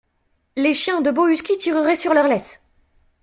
Les chiens, de beaux huskys, tireraient sur leurs laisses.